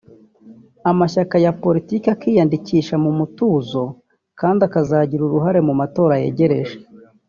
amashyaka ya politiki akiyandikisha mu mutuzo kandi akazagira uruhare mu matora yegereje